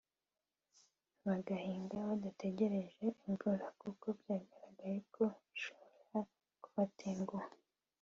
bagahinga badategereje imvura kuko byagaragaye ko ishobora kubatenguha